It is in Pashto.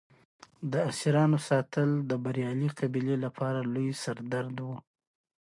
د اسیرانو ساتل د بریالۍ قبیلې لپاره لوی سر درد و.